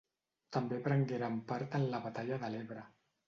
També prengueren part en la batalla de l'Ebre.